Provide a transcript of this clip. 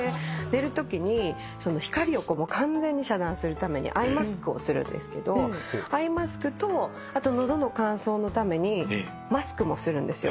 寝るときに光を完全に遮断するためにアイマスクをするんですけどアイマスクとあと喉の乾燥のためにマスクもするんです。